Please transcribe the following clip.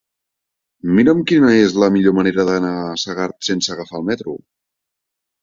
Mira'm quina és la millor manera d'anar a Segart sense agafar el metro.